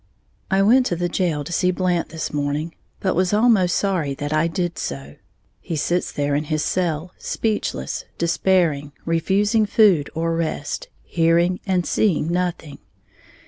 _ I went to the jail to see Blant this morning, but was almost sorry that I did so. He sits there in his cell, speechless, despairing, refusing food or rest, hearing and seeing nothing.